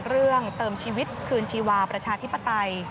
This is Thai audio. เรื่องเติมชีวิตคืนชีวาประชาธิปไตย